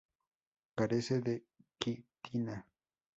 Carece de quitina.